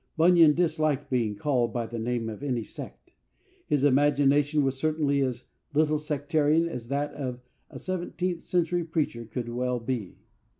Bunyan disliked being called by the name of any sect. His imagination was certainly as little sectarian as that of a seventeenth century preacher could well be.